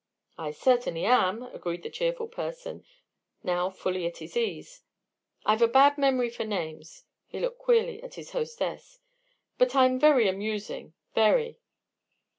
"I certainly am," agreed that cheerful person, now fully at his ease. "I've a bad memory for names!" he looked queerly at his hostess "but I'm very amusing, very!"